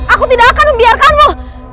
aku tidak akan membiarkanmu